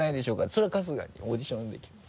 それは春日にオーディションで決める。